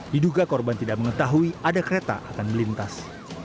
diduga korban tidak mengetahui ada kereta akan melintas